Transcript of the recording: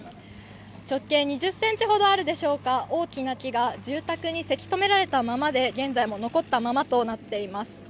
直径２０ｃｍほどあるでしょうか、大きな木が住宅にせき止められたままで現在も残ったままとなっています。